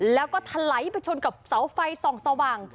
แล้วก็ทะไหลไปชนกับเสาไฟส่องสว่าง